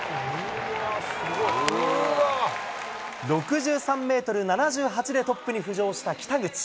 ６３メートル７８でトップに浮上した北口。